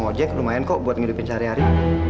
aku ngojek lumayan kok buat ngelupin sehari hari